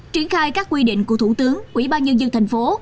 triển khai các quy định của thủ tướng quỹ ban nhân dân thành phố